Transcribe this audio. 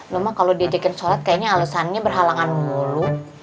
lu mah kalo di injek in sholat kayaknya alesannya berhalangan mulu